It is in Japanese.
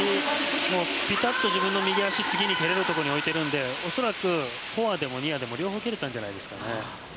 ピタッと自分の右足を次蹴れるところに置いたので恐らく、フォアでもニアでも両方蹴れたんじゃないですかね。